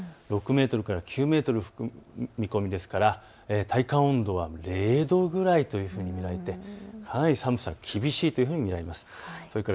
６メートルから９メートルの見込みですから体感温度は０度くらいぐらい、かなり寒さ厳しいというふうに見られます。